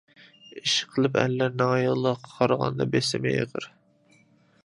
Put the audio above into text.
ئىش قىلىپ ئەرلەرنىڭ ئاياللارغا قارىغاندا بېسىمى ئېغىر.